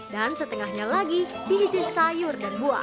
dan setengahnya lagi diisi sayur dan buah